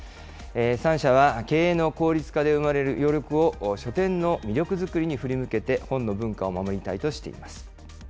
３社は、経営の効率化で生まれる余力を書店の魅力づくりに振り向けて、本の文化を守りたいとしています。